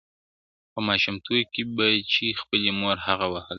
پۀ ماسومتوب كې بۀ چي خپلې مور هغه وهله.